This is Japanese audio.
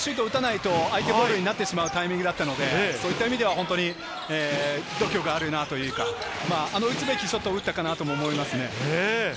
ショート打たないと相手ボールになってしまうタイミングだったので、度胸があるなというか、打つべきショットを打ったかなと思いますね。